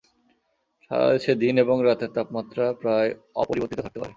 সারা দেশে দিন এবং রাতের তাপমাত্রা প্রায় অপরিবর্তিত থাকতে পারে।